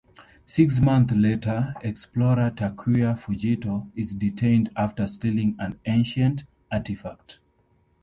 Six months later, explorer Takuya Fujito is detained after stealing an ancient artifact.